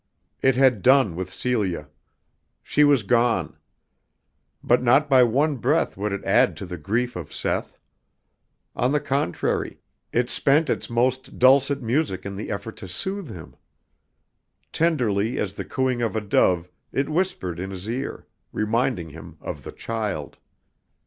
It had done with Celia. She was gone. But not by one breath would it add to the grief of Seth. On the contrary, it spent its most dulcet music in the effort to soothe him. Tenderly as the cooing of a dove it whispered in his ear, reminding him of the child.